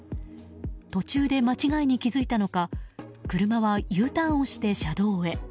途中で間違いに気づいたのか車はＵターンをして車道へ。